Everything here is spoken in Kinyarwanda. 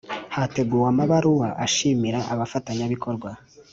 Hateguwe amabaruwa ashimira abafatanyabikorwa